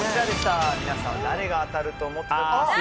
皆さんは誰が当たると思ったのか。